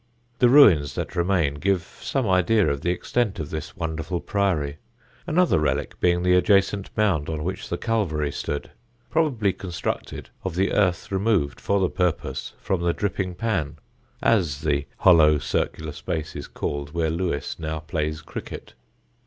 The ruins that remain give some idea of the extent of this wonderful priory, another relic being the adjacent mound on which the Calvary stood, probably constructed of the earth removed for the purpose from the Dripping Pan, as the hollow circular space is called where Lewes now plays cricket.